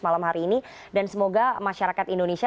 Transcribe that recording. malam hari ini dan semoga masyarakat indonesia